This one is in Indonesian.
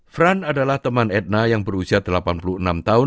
fran adalah teman etna yang berusia delapan puluh enam tahun